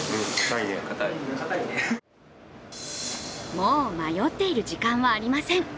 もう迷っている時間はありません。